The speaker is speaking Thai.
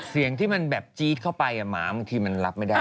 เสียงที่มันแบบจี๊ดเข้าไปหมาบางทีมันรับไม่ได้